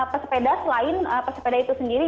pesepeda selain pesepeda itu sendiri